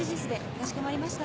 かしこまりました。